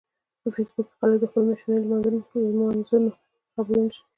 په فېسبوک کې خلک د خپلو میاشتنيو لمانځنو خبرونه شریکوي